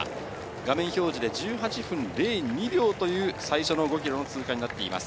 画面表示で１８分０２秒という、最初の５キロの通過になっています。